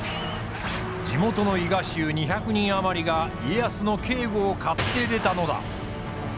地元の伊賀衆２００人余りが家康の警護を買って出たのだ。